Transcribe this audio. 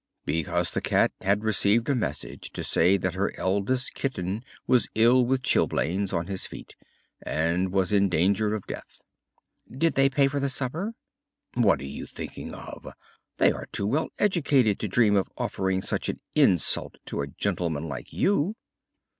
"Because the Cat had received a message to say that her eldest kitten was ill with chilblains on his feet and was in danger of death." "Did they pay for the supper?" "What are you thinking of? They are too well educated to dream of offering such an insult to a gentleman like you."